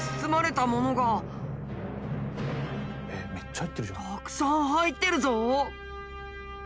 たくさん入ってるぞ。